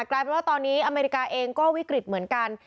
กลายเป็นว่าตอนนี้อเมริกาเองก็วิกฤตเหมือนกัน